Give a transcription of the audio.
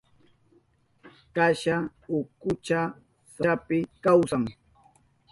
Kasha ukucha sachapi kawsan.